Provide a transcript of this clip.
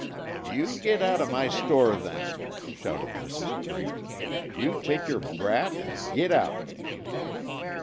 "You git out of my store, then!" shouted Mrs. Crink. "You take your brat and git out!"